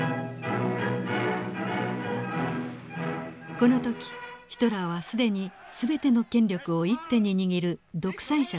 この時ヒトラーは既に全ての権力を一手に握る独裁者となっていました。